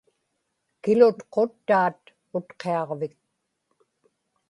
kilutquttaat Utqiaġvik